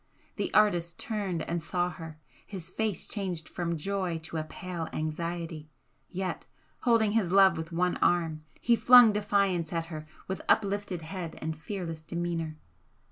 The artist turned and saw her his face changed from joy to a pale anxiety yet, holding his love with one arm, he flung defiance at her with uplifted head and fearless demeanour.